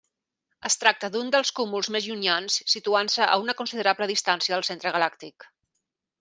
Es tracta d'un dels cúmuls més llunyans situant-se a una considerable distància del centre galàctic.